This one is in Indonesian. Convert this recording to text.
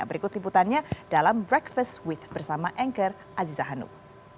berikut timputannya dalam breakfast with bersama anchor aziza hanuk